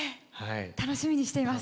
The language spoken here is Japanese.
楽しみにしています。